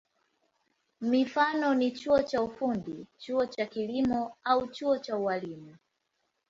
Mifano ni chuo cha ufundi, chuo cha kilimo au chuo cha ualimu.